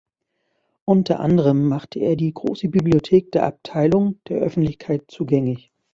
Unter anderem machte er die große Bibliothek der Abteilung der Öffentlichkeit zugängig.